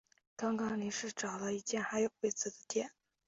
刚刚临时找了一间还有位子的店